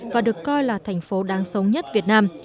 và được coi là thành phố đáng sống nhất việt nam